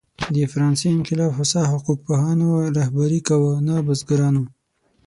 د فرانسې انقلاب هوسا حقوق پوهانو رهبري کاوه، نه بزګرانو.